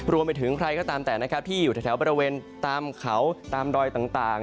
รวมไปถึงใครก็ตามแต่นะครับที่อยู่แถวบริเวณตามเขาตามดอยต่าง